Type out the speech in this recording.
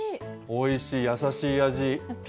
おいしい、優しい味。